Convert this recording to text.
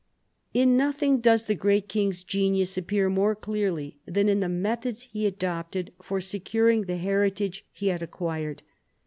In nothing does the great king's genius appear more clearly than in the methods he adopted for securing the heritage he had acquired.